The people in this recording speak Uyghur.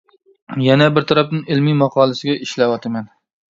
يەنە بىر تەرەپتىن ئىلمى ماقالىسىگە ئىشلەۋاتىمەن.